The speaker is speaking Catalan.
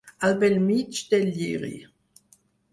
Al bell mig del lliri.